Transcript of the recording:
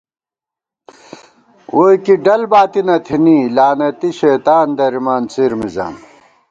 ووئی کی ڈل باتی نہ تھنی، لعنتی شیطان درِمان څِر مِزان